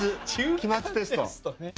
期末テスト。